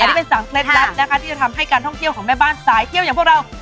นี่เป็น๓เคล็ดลับนะคะที่จะทำให้การท่องเที่ยวของแม่บ้านสายเที่ยวอย่างพวกเรา